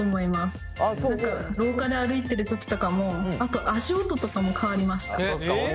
何か廊下で歩いてる時とかもあと足音とかも変わりました。